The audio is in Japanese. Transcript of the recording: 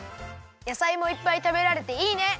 やさいもいっぱいたべられていいね！